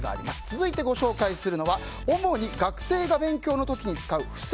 続いてご紹介するのは主に学生が勉強の時に使う付箋。